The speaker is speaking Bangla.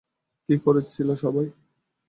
কী করছিলে সবাই?